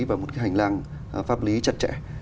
và một cái hành lang pháp lý chặt chẽ